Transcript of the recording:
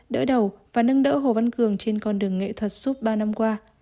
đỡ đầu và nâng đỡ hồ văn cường trên con đường nghệ thuật suốt ba năm qua